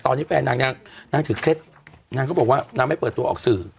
ตอนนี้แฟนนางนางถือเคล็ดนางก็บอกว่านางไม่เปิดตัวออกสื่อ